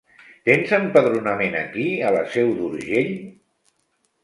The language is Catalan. Tens empadronament aquí, a la Seu d'Urgell?